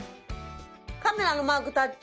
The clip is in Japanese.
カメラのマークタッチ。